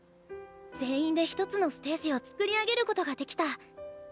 全員で一つのステージをつくり上げることができた。